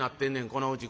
このうち。